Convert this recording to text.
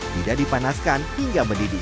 tidak dipanaskan hingga mendidih